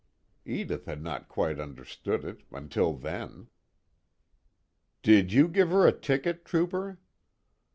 Edith had not quite understood it, until then. "Did you give her a ticket, Trooper?"